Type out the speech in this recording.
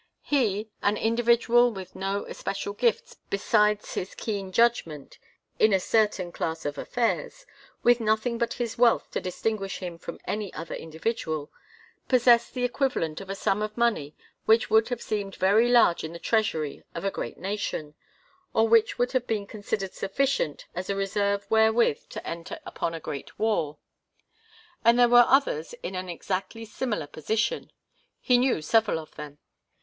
He, an individual with no especial gifts besides his keen judgment in a certain class of affairs, with nothing but his wealth to distinguish him from any other individual, possessed the equivalent of a sum of money which would have seemed very large in the treasury of a great nation, or which would have been considered sufficient as a reserve wherewith to enter upon a great war. And there were others in an exactly similar position. He knew several of them.